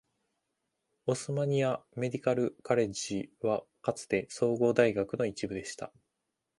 Osmania Medical College はかつて総合大学の一部でした。